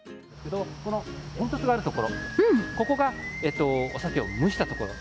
この煙突があるところここがお酒を蒸したところ。